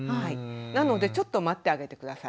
なのでちょっと待ってあげて下さい。